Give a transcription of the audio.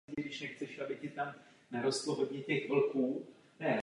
Byl to jeho jediný start za český národní tým.